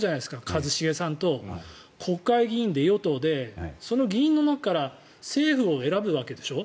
一茂さんと国会議員で与党でその議員の中から政府を選ぶわけでしょ。